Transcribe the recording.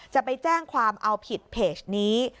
จะไปแจ้งความเอาผิดเพจนี้